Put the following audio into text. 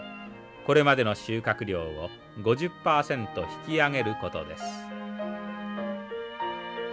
これまでの収穫量を５０％引き上げることです。